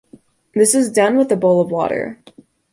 This is done with a bowl of water.